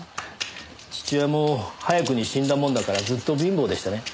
父親も早くに死んだもんだからずっと貧乏でしてね。